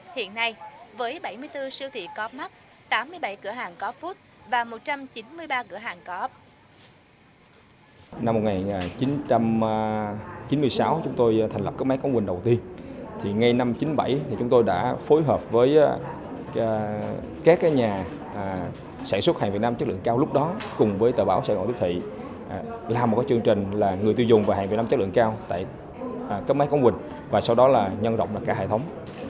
hiện nay với bảy mươi bốn siêu thị co op mắc tám mươi bảy cửa hàng co op food và một trăm chín mươi ba cửa hàng co op